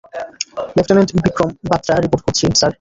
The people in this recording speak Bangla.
লেফটেন্যান্ট বিক্রম বাতরা রিপোর্ট করছি, স্যার।